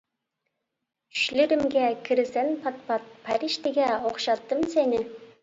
چۈشلىرىمگە كىرىسەن پات-پات، پەرىشتىگە ئوخشاتتىم سېنى.